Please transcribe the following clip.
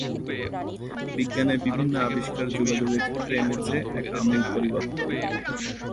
বিজ্ঞানের বিভিন্ন আবিষ্কার যোগাযোগের ক্ষেত্রে এনেছে এক আমূল পরিবর্তন।